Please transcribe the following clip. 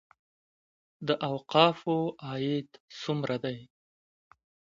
د اوقافو عاید څومره دی؟